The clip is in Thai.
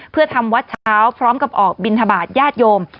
เพื่อทำวัดเช้าพร้อมกับออกบินทบาทญาติโยม